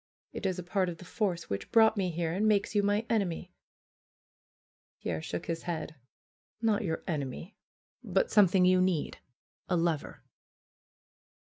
It is a part of the force which brought me here, and makes you my enemy." Pierre shook his head. "Not your enemy; but some thing you need — a lover."